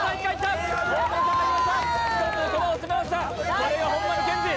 これが本並健治！